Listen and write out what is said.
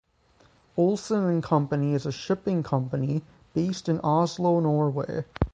Olsen and Company is a shipping company based in Oslo, Norway.